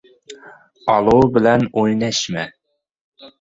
• Olov bilan o‘ynashma.